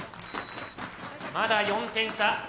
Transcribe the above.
まだ４点差。